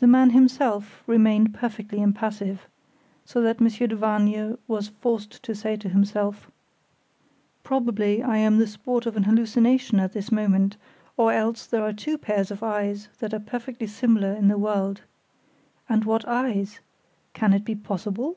The man himself remained perfectly impassive, so that Monsieur de Vargnes was forced to say to himself: "Probably I am the sport of an hallucination at this moment, or else there are two pairs of eyes that are perfectly similar in the world. And what eyes! Can it be possible?"